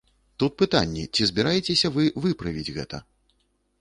Тут пытанне, ці збіраецеся вы выправіць гэта?